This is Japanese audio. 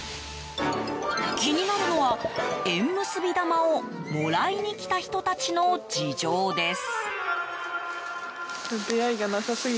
気になるのは、縁結び玉をもらいに来た人たちの事情です。